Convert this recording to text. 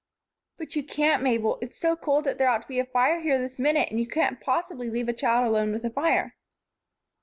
"But you can't, Mabel. It's so cold that there ought to be a fire here this minute, and you can't possibly leave a child alone with a fire."